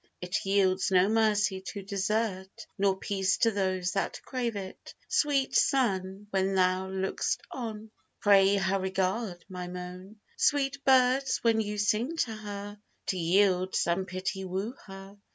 It yields no mercy to desert Nor peace to those that crave it. Sweet Sun, when thou look'st on, Pray her regard my moan! Sweet birds, when you sing to her, To yield some pity woo her!